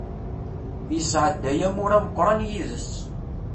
Yesɛedday amur ameqqran d yid-s.